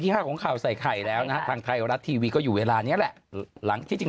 อีกสักบาทหนึ่งหน้าอีกสักบาทหนึ่ง